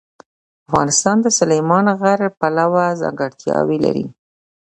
افغانستان د سلیمان غر پلوه ځانګړتیاوې لري.